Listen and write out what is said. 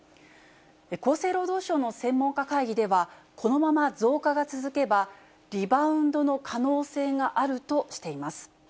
厚生労働省の専門家会議では、このまま増加が続けば、リバウンドの可能性があるとしています。